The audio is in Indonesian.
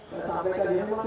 pesan pkp yang masih kecil